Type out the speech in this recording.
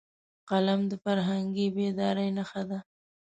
قلم د فرهنګي بیدارۍ نښه ده